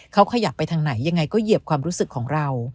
เขาขยับไปทางไหนยังไงก็เหยียบความรู้สึกของเรา